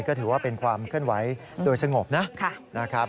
ก็ถือว่าเป็นความเคลื่อนไหวโดยสงบนะครับ